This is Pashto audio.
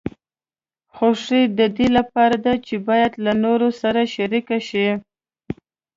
خوښي د دې لپاره ده چې باید له نورو سره شریکه شي.